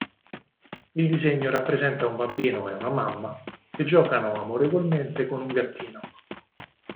Il disegno rappresenta un bambino e una mamma che giocano amorevolmente con un gattino.